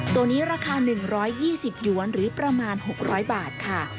ตัวนี้ราคา๑๒๐หยวนหรือประมาณ๖๐๐บาทค่ะ